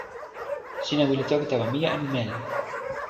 sina wile toki tawa mije anu meli?